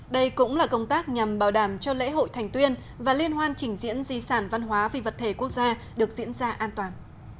đây cũng là công tác nhằm bảo đảm cho lễ hội thành tuyên và liên hoan trình diễn di sản văn hóa vì vật thể quốc gia được diễn ra an toàn